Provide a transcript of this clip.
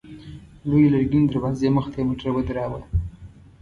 لويې لرګينې دروازې مخته يې موټر ودراوه.